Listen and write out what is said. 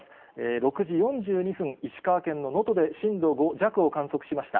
６時４２分、石川県の能登で震度５弱を観測しました。